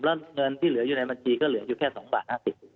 แล้วเงินที่เหลืออยู่ในบัญชีก็เหลืออยู่แค่๒บาท๕๐บาท